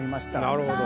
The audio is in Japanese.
なるほど。